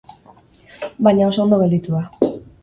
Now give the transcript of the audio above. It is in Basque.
Baina oso ondo gelditu da.